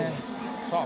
さあ